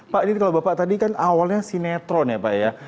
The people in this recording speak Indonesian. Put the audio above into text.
pak ini kalau bapak tadi kan awalnya sinetron ya pak ya